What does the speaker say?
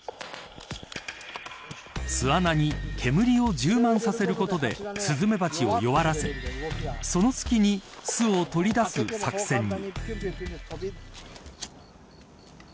巣穴に煙を充満させることでスズメバチを弱らせその隙に巣を取り出す作戦に。